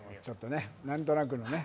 何となくのね。